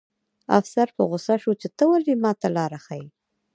افسر په غوسه شو چې ته ولې ماته لاره ښیې